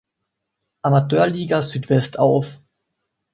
Amateurliga Südwest auf.